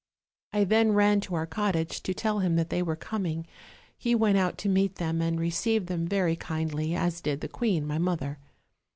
I then ran to our cottage to tell him that they were com ing; he went out to meet them, and received them very kindly, as did the queen my mother.